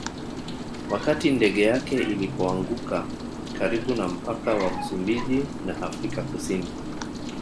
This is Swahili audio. Wakati ndege yake ilipoanguka karibu na mpaka wa Msumbiji na Afrika Kusini